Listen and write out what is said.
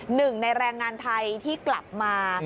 หนึ่งในแรงงานไทยที่กลับมา